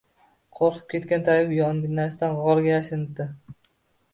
Qo‘rqib ketgan tabib yonginasidagi g‘orga yashirinibdi